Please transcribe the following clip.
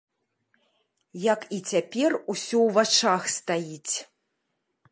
Як і цяпер усё ў вачах стаіць.